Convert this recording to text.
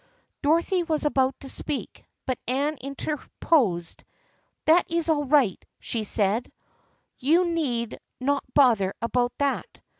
Dorothy was about to speak, but Anne inter posed. " That is all right," she said, " you need not bother about that.